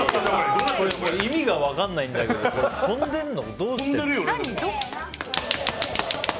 意味が分からないんだけど跳んでるの？